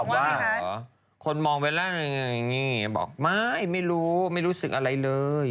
เบลล่าตอบว่าคนมองเบลล่าอย่างนี้บอกไม่ไม่รู้ไม่รู้สึกอะไรเลย